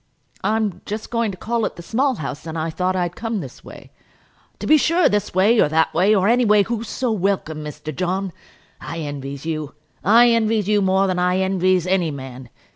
"I'm just going to call at the Small House, and I thought I'd come this way." "To be sure; this way, or that way, or any way, who's so welcome, Mr. John? I envies you; I envies you more than I envies any man.